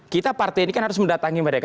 kita partai ini kan harus mendatangi mereka